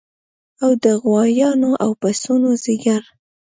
او د غوایانو او پسونو ځیګر